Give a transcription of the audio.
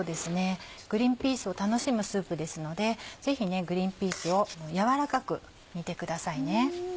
グリンピースを楽しむスープですのでぜひグリンピースを軟らかく煮てくださいね。